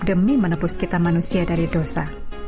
demi menebus kita manusia dari dosa